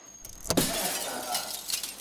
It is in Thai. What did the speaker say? และนันทนาการ